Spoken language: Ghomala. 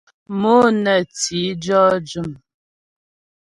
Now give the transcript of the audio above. Mo nə ti jɔ́ jʉm.